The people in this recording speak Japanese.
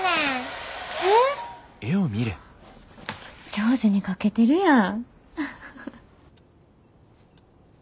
上手に描けてるやん。